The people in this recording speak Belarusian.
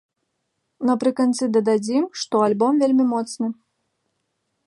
Напрыканцы дададзім, што альбом вельмі моцны!